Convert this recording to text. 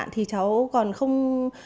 thì cháu còn không